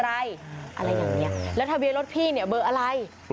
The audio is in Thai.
อะไรอย่างนี้แล้วทะเบียนรถพี่เนี่ยเบอร์อะไร